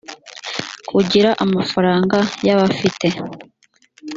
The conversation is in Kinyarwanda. kugira amafaranga y abafite